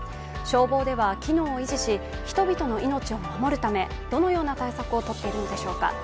消防では機能を維持し、人々の命を守るため、どのような対策をとっているのでしょうか。